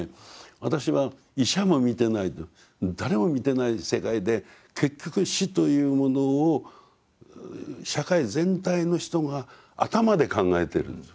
私は医者も見てないで誰も見てない世界で結局死というものを社会全体の人が頭で考えてるんですよ。